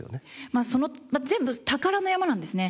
まあその全部宝の山なんですね。